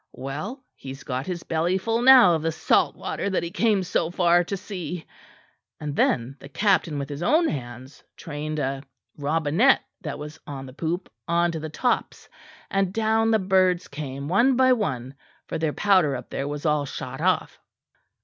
Well, he's got his bellyful now of the salt water that he came so far to see. And then the captain with his own hands trained a robinet that was on the poop on to the tops; and down the birds came, one by one; for their powder up there was all shot off."